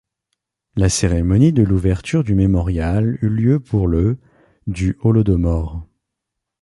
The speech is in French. La cérémonie de l'ouverture du mémorial eut lieu pour le du Holodomor.